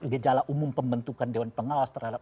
gejala umum pembentukan dewan pengawas terhadap